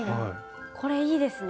これいいですね。